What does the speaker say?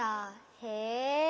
へえ。